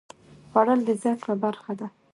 خوړل د ذوق یوه برخه ده